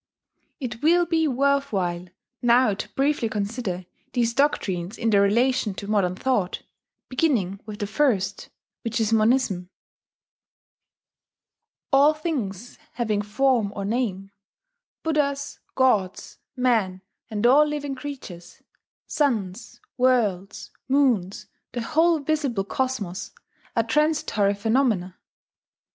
It will he worth while now to briefly consider these doctrines in their relation to modern thought, beginning with the first, which is Monism: All things having form or name, Buddhas, gods, men, and all living creatures, suns, worlds, moons, the whole visible cosmos, are transitory phenomena....